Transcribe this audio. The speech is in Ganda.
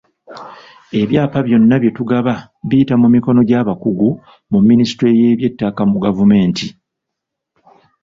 Ebyapa byonna byetugaba biyita mu mikono gy’abakugu mu minisitule y’eby'ettaka mu gavumenti.